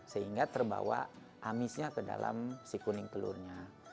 sehingga terbawa amisnya ke dalam si kuning telurnya